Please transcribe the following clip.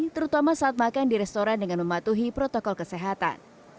terutama saat makan di restoran dengan mematuhi protokol kesehatan